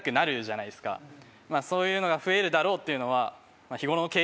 そういうのが増えるだろうというのは。